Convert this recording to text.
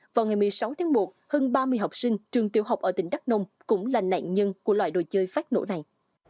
vào ngày một mươi sáu tháng một hơn ba mươi học sinh trường tiểu học ở tỉnh đắk nông cũng là nạn nhân của loại đồ chơi phát nổ này